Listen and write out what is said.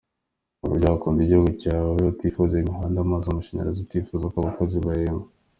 Ntaburyo wakunda igihugu cyawe utifuza imihanda, amazi, amashanyarazi, utifuza ko abakozi bahembwa.